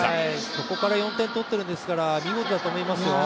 そこから４点取ってるんですから見事だと思いますよ。